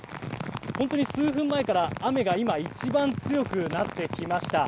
本当に数分前から雨が一番強くなってきました。